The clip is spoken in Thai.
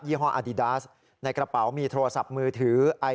ี่ห้ออดีดาสในกระเป๋ามีโทรศัพท์มือถือไอ